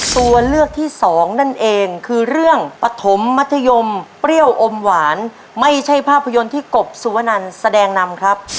ตัวเลือกที่สองนั่นเองคือเรื่องปฐมมัธยมเปรี้ยวอมหวานไม่ใช่ภาพยนตร์ที่กบสุวนันแสดงนำครับ